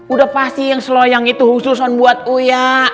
udah pasti yang seloyang itu khusus on buat uya